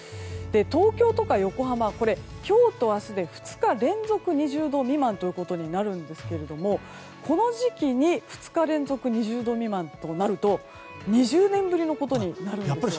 東京や横浜は今日と明日で２日連続で２０度未満ということになるんですがこの時期に２日連続２０度未満となると２０年ぶりのことになるんです。